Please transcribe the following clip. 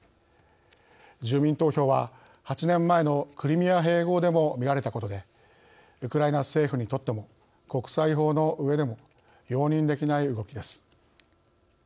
住民投票は８年前のクリミア併合でも見られたことでウクライナ政府にとっても国際法のうえでも容認できない動きです。